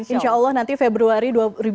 insya allah nanti februari dua ribu dua puluh